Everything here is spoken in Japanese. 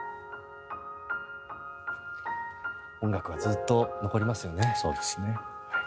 音楽はずっと残りますよね。